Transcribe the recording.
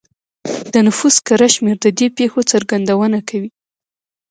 د نفوس کره شمېر د دې پېښو څرګندونه کوي